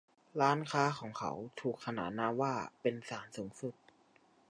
ร้านค้าของเขาถูกขนานนามว่าเป็น ศาลสูงสุด